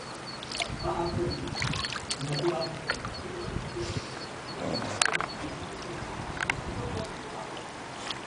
Va afegir, Naturalment ho rebutgem i ens distanciem d"aquesta iniciativa personal.